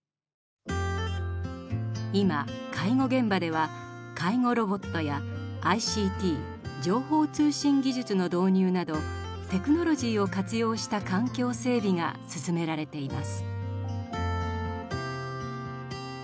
今介護現場では介護ロボットやＩＣＴ情報通信技術の導入などテクノロジーを活用した環境整備が進められています。